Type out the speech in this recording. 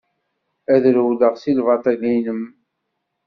Ad rewleɣ si lbaṭel-inem.